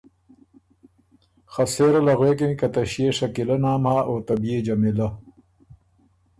خه سېره له غوېکِن که ”ته ݭيې شکیلۀ نام هۀ او ته بيې جمیلۀ“